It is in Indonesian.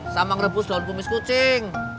sama ngerebus daun kumis kucing